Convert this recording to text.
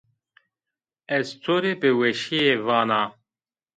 Ez to rê bi weşîye vana